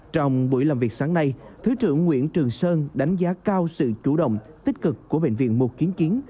trong buổi làm việc sáng nay thứ trưởng nguyễn trường sơn đánh giá cao sự chủ động tích cực của bệnh viện một kiến chiến